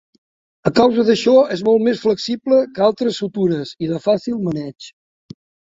A causa d'això és molt més flexible que altres sutures i de fàcil maneig.